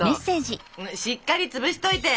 「しっかりつぶしといて！！」。